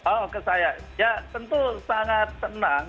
oh ke saya ya tentu sangat senang